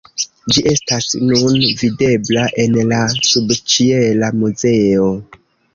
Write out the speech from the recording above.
Ĝi estas nun videbla en la subĉiela muzeo.